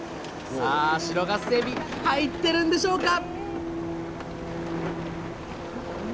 さあ白ガスエビ入ってるんでしょうか！